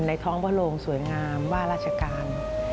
ท้องพระโรงสวยงามว่าราชการ